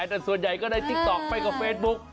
แต่ส่วนใหญ่ก็ได้ติ๊กต๊อกไปกับเฟซบุ๊ก